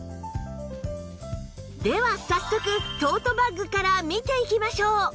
では早速トートバッグから見ていきましょう！